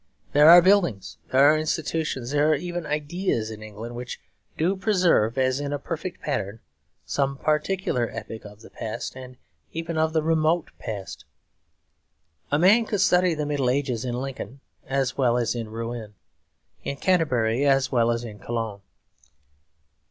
There are buildings, there are institutions, there are even ideas in England which do preserve, as in a perfect pattern, some particular epoch of the past, and even of the remote past. A man could study the Middle Ages in Lincoln as well as in Rouen; in Canterbury as well as in Cologne.